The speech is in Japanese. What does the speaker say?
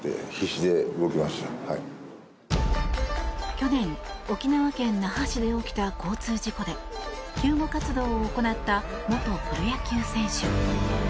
去年、沖縄県那覇市で起きた交通事故で救護活動を行った元プロ野球選手。